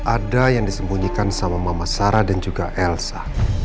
ada yang disembunyikan sama mama sarah dan juga elsa